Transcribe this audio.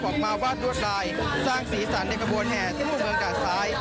พวกมาวาดรวดลายสร้างศีรษรในกระบวนแห่งที่มุ่งเกาะซ้าย